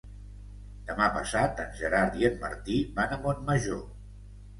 Demà passat en Gerard i en Martí van a Montmajor.